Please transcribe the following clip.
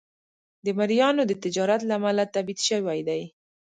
د مریانو د تجارت له امله تبعید شوی دی.